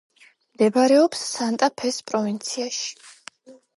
მდებარეობს სანტა-ფეს პროვინციაში.